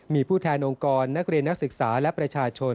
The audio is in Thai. มีผู้แทนองค์กรนักเรียนนักศึกษาและประชาชน